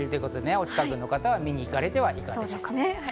お近くの方は見に行かれてはいかがですか。